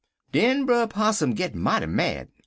"Den Brer Possum git mighty mad.